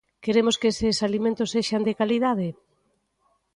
Queremos que eses alimentos sexan de calidade?